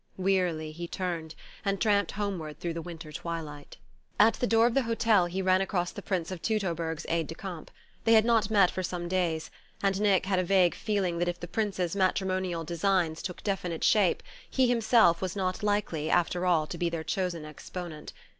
Wearily he turned, and tramped homeward through the winter twilight.... At the door of the hotel he ran across the Prince of Teutoburg's aide de camp. They had not met for some days, and Nick had a vague feeling that if the Prince's matrimonial designs took definite shape he himself was not likely, after all, to be their chosen exponent.